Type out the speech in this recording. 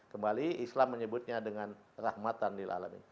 kembali islam menyebutnya dengan rahmatan lil'alamin